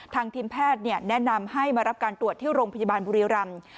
ทีมแพทย์แนะนำให้มารับการตรวจที่โรงพยาบาลบุรีรำ